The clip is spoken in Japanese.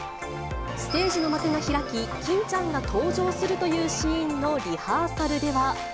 ステージの幕が開き、欽ちゃんが登場するというシーンのリハーサルでは。